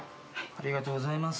ありがとうございます。